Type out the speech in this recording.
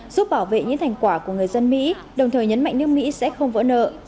giúp bảo vệ những thành quả của người dân mỹ đồng thời nhấn mạnh nước mỹ sẽ không vỡ nợ